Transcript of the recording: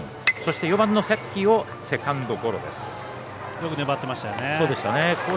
４番の関をセカンドゴロです。